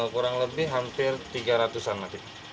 kurang lebih hampir tiga ratus an mati